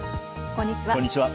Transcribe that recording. こんにちは。